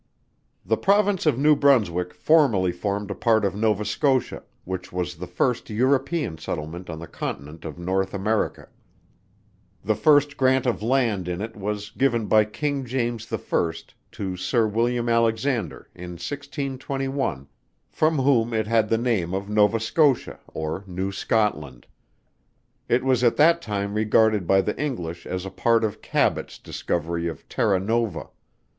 _ The Province of New Brunswick formerly formed a part of Nova Scotia, which was the first European settlement on the Continent of North America. The first grant of land in it was given by King JAMES the FIRST to Sir WILLIAM ALEXANDER, in 1621 from whom it had the name of Nova Scotia or New Scotland. It was at that time regarded by the English as a part of CABOT'S discovery of Terra Nova.